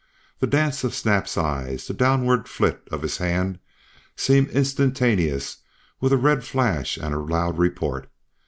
The dance of Snap's eyes, the downward flit of his hand seemed instantaneous with a red flash and loud report.